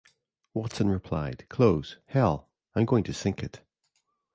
Watson replied, Close, hell, I'm going to sink it.